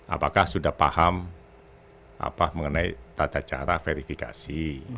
apakah sudah paham mengenai tata cara verifikasi